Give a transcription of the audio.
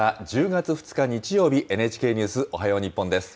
１０月２日日曜日、ＮＨＫニュースおはよう日本です。